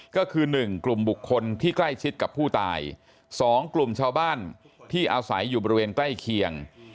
ก็คือ๑กลุ่มบุคคลที่ใกล้ชิดกับผู้ตาย๒กลุ่มชาวบ้านที่อาศัยอยู่บริเวณใกล้เคียง